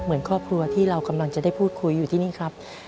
เหมือนครอบครัวที่เรากำลังจะได้พูดคุยอยู่ที่นี่ครับ